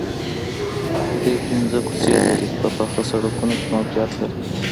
دوی پنځه کوڅې لرې په پاخه سړکونو کې موقعیت لري